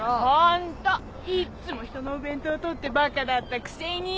いっつも人のお弁当とってばっかだったくせに。